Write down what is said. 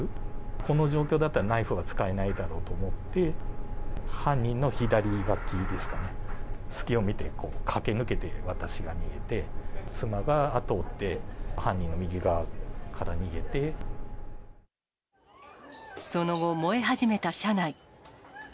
この状況だったら、ナイフは使えないだろうと思って、犯人の左脇ですかね、隙を見て、駆け抜けて私が逃げて、妻が後を追って、その後、燃え始めた車内。